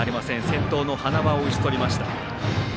先頭の塙を打ち取りました。